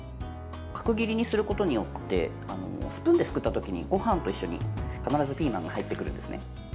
角切りにすることによってスプーンですくったときにごはんと一緒に必ずピーマンが入ってくるんですね。